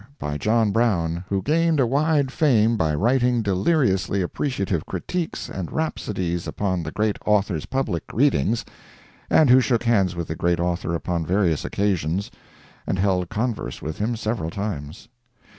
By John Brown, who gained a wide fame by writing deliriously appreciative critiques and rhapsodies upon the great author's public readings, and who shook hands with the great author upon various occasions, and held converse with him several times.